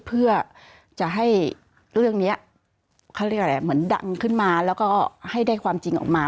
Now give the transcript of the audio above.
เพื่อจะให้เรื่องนี้ดังขึ้นมาแล้วก็ให้ได้ความจริงออกมา